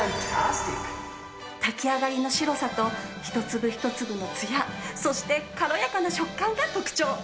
炊き上がりの白さと一粒一粒のツヤそして軽やかな食感が特長。